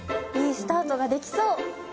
いいスタートができそう！